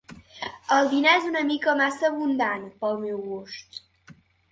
El dinar és una mica massa abundant, pel meu gust.